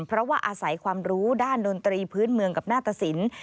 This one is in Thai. เพราะว่าอาศัยความรู้ด้านดนตรีพื้นเมืองกับหน้าตะสิน